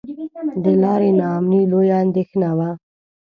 د لارې نا امني لویه اندېښنه وه.